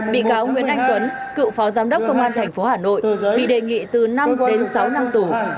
bị cáo nguyễn anh tuấn cựu phó giám đốc công an tp hà nội bị đề nghị từ năm đến sáu năm tù